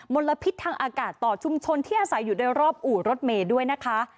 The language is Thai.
ลพิษทางอากาศต่อชุมชนที่อาศัยอยู่โดยรอบอู่รถเมย์ด้วยนะคะ